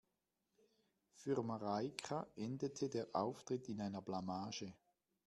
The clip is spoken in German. Für Mareike endete der Auftritt in einer Blamage.